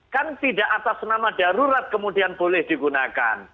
kan tidak atas nama darurat kemudian boleh digunakan